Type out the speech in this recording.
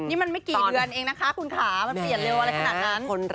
นี่มันไม่กี่เดือนเองนะคะคุณขามันเปลี่ยนเร็วอะไรขนาดนั้น